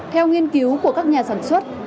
theo nghiên cứu của các nhà sản xuất